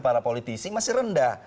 para politisi masih rendah